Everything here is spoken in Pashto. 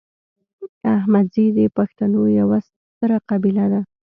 احمدزي د پښتنو یوه ستره قبیله ده